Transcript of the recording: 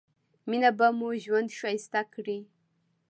مينه به مو ژوند ښايسته کړي